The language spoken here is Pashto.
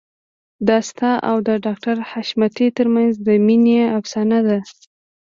دا ستا او د ډاکټر حشمتي ترمنځ د مينې افسانه ده